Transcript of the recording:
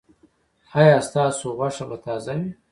ایا ستاسو غوښه به تازه وي؟